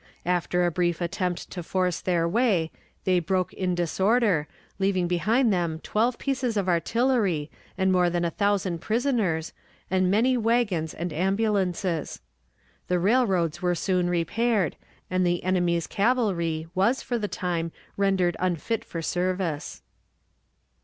After a brief attempt to force their way, they broke in disorder, leaving behind them twelve pieces of artillery, and more than a thousand prisoners, and many wagons and ambulances. The railroads were soon repaired, and the enemy's cavalry was for the time rendered unfit for service.